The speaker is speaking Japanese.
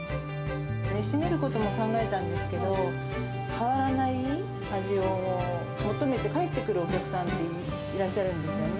閉めることも考えたんですけど、変わらない味を求めて、帰ってくるお客さんっていらっしゃるんですよね。